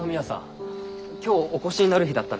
今日お越しになる日だったんですね。